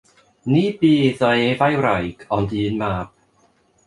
Ni bu iddo ef a'i wraig ond un mab.